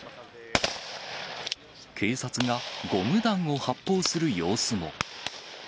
警察がゴム弾を発砲する様子も。